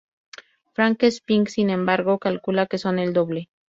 Frank Speck, sin embargo, calcula que son el doble.